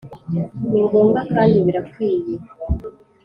Ningombwa kandi birakwiye.